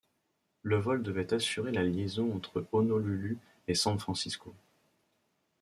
Le vol devait assurer la liaison entre Honolulu et San Francisco.